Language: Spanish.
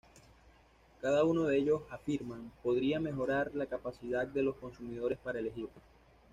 Cada uno de ellos, afirman, podría mejorar la capacidad de los consumidores para elegir.